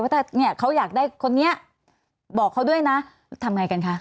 แต่เนี่ยเขาอยากได้คนนี้บอกเขาด้วยนะทำไงกันคะ